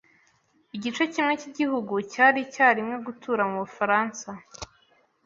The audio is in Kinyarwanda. Igice kimwe cyigihugu cyari icyarimwe gutura mubufaransa.